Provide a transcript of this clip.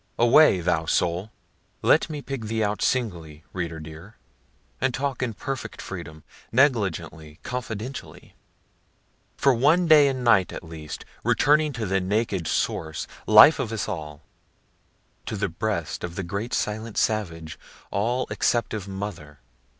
Away, thou soul, (let me pick thee out singly, reader dear, and talk in perfect freedom, negligently, confidentially,) for one day and night at least, returning to the naked source life of us all to the breast of the great silent savage all acceptive Mother.